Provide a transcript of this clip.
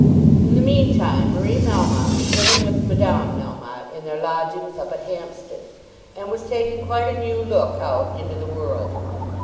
In the meantime Marie Melmotte was living with Madame Melmotte in their lodgings up at Hampstead, and was taking quite a new look out into the world.